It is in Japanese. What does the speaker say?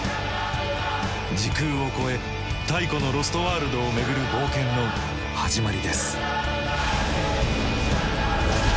時空を超え太古のロストワールドを巡る冒険の始まりです。